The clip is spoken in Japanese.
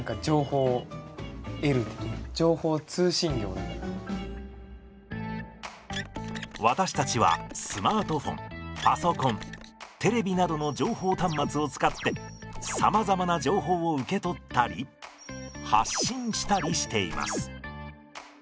やっぱでも私たちはスマートフォンパソコンテレビなどの情報端末を使ってさまざまな情報を受け取ったり発信したりしています。